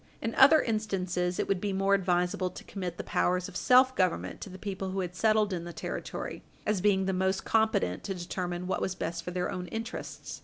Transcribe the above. In other instances, it would be more advisable to commit the powers of self government to the people who had settled in the Territory, as being the most competent to determine what was best for their own interests.